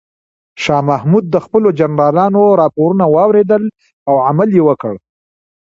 شاه محمود د خپلو جنرالانو راپورونه واورېدل او عمل یې وکړ.